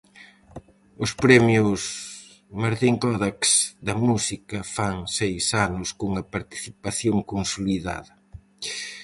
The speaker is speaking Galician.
Os Premios Martín Codax da música fan seis anos cunha participación consolidada.